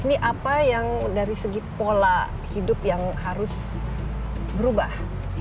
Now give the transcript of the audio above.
ini apa yang dari segi pola hidup yang harus berubah